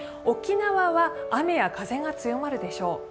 沖縄は雨や風が強まるでしょう。